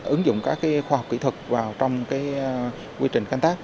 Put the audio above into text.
ứng dụng các cái khoa học kỹ thuật vào trong cái quy trình canh tác